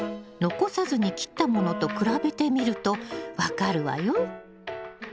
残さずに切ったものと比べてみると分かるわよ。